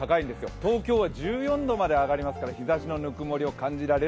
東京は１４度まで上がりますから日ざしのぬくもりを感じられる